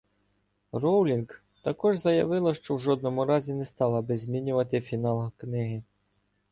Роулінґ також заявила, що в жодному разі не стала би змінювати фінал книги.